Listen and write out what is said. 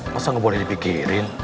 masa gak boleh dipikirin